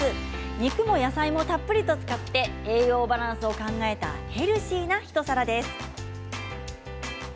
肉も野菜もたっぷりと使って栄養バランスを考えたヘルシーな一皿です。